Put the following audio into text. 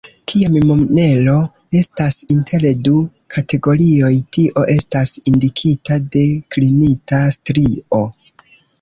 Kiam monero estas inter du kategorioj, tio estas indikita de klinita strio.